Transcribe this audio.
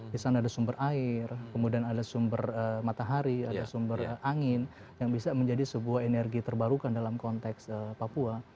di sana ada sumber air kemudian ada sumber matahari ada sumber angin yang bisa menjadi sebuah energi terbarukan dalam konteks papua